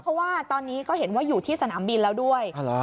เพราะว่าตอนนี้ก็เห็นว่าอยู่ที่สนามบินแล้วด้วย